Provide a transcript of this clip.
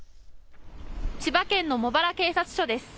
千葉県の茂原警察署です。